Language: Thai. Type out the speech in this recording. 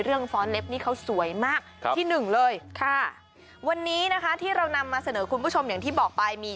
ฟ้อนเล็บนี่เขาสวยมากที่หนึ่งเลยค่ะวันนี้นะคะที่เรานำมาเสนอคุณผู้ชมอย่างที่บอกไปมี